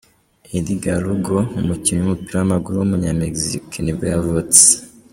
Édgar Lugo, umukinnyi w’umupira w’amaguru w’umunyamegizike nibwo yavutse.